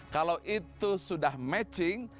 kalau itu sudah matching